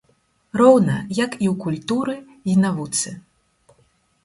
Роўна, як і ў культуры й навуцы.